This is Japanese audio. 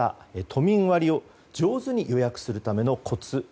都民割を上手に予約するためのコツ。